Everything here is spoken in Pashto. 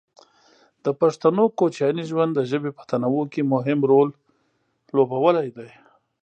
د پښتنو کوچیاني ژوند د ژبې په تنوع کې مهم رول لوبولی دی.